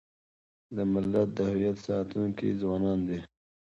د ملت د هویت ساتونکي ځوانان دي.